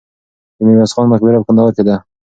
د میرویس خان مقبره په کندهار کې ده.